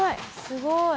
すごい。